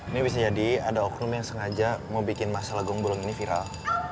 ini bisa jadi ada oknum yang sengaja mau bikin masalah gong bulung ini viral